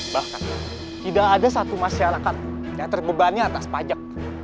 bahkan tidak ada satu masyarakat yang terbebani atas pajak